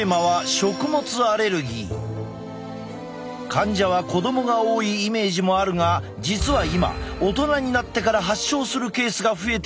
患者は子どもが多いイメージもあるが実は今大人になってから発症するケースが増えているという。